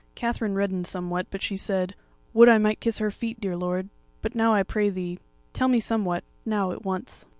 Katherine reddened somewhat, but she said: "Would I might kiss her feet, dear lord. But now, I pray thee, tell me somewhat, now at once."